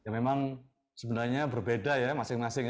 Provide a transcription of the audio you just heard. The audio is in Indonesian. memang sebenarnya berbeda ya masing masing ya